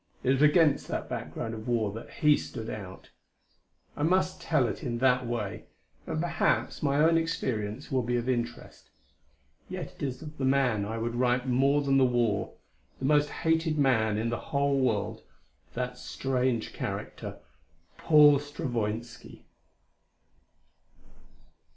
It was against the background of war that he stood out; I must tell it in that way; and perhaps my own experience will be of interest. Yet it is of the man I would write more than the war the most hated man in the whole world that strange character, Paul Stravoinski.